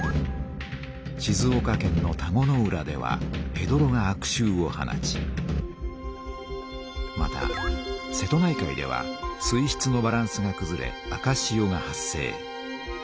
静岡県の田子の浦ではへどろが悪しゅうを放ちまた瀬戸内海では水しつのバランスがくずれ赤しおが発生。